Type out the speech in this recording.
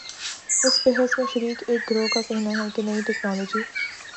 اس بحث میں شریک ایک گروہ کا کہنا ہے کہ نئی ٹیکنالوجی